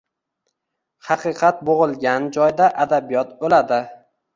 Haqiqat bo‘g‘ilgan joyda adabiyot o‘ladi.